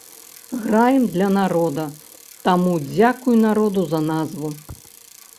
Граем для народа, таму дзякуй народу за назву.